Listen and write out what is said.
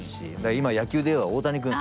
今野球で言えば大谷くん。